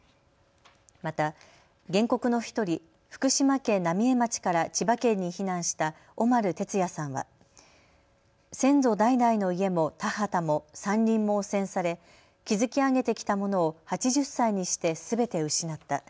また原告の１人、福島県浪江町から千葉県に避難した小丸哲也さんは先祖代々の家も田畑も山林も汚染され築き上げてきたものを８０歳にしてすべて失った。